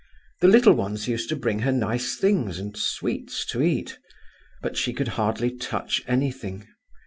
The little ones used to bring her nice things and sweets to eat, but she could hardly touch anything.